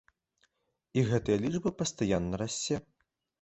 І гэтая лічба пастаянна расце.